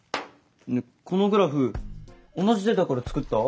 このグラフ同じデータから作った？